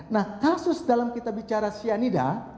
nah kasus dalam kita bicara cyanida